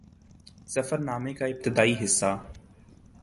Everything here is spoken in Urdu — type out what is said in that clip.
سفر نامے کا ابتدائی حصہ